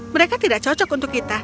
mereka tidak cocok untuk kita